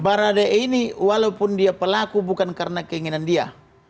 baradae ini walaupun dia pelaku bukan karena keinginan dia